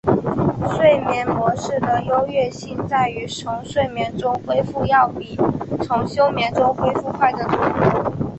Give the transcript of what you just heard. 睡眠模式的优越性在于从睡眠中恢复要比从休眠中恢复快得多。